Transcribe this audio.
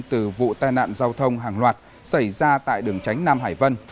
từ vụ tai nạn giao thông hàng loạt xảy ra tại đường tránh nam hải vân